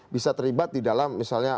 bisa terlibat di dalam misalnya